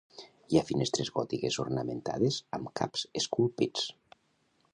Hi ha finestres gòtiques ornamentades amb caps esculpits.